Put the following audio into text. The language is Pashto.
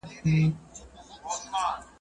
راډیو کلیوالو سیمو کې مشهور دی